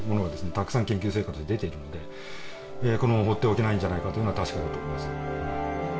たくさん研究成果として出ているのでこのまま放っておけないんじゃないかというのは確かだと思います